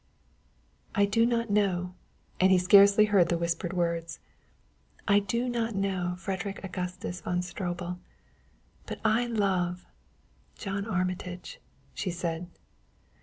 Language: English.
"I do not know," and he scarcely heard the whispered words, "I do not know Frederick Augustus von Stroebel, but I love John Armitage," she said.